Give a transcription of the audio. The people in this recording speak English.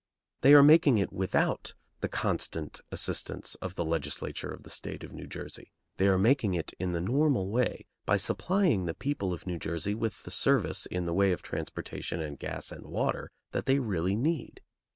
They are making it without the constant assistance of the legislature of the State of New Jersey. They are making it in the normal way, by supplying the people of New Jersey with the service in the way of transportation and gas and water that they really need.